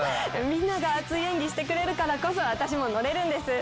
みんなが熱い演技してくれるから私も乗れるんです。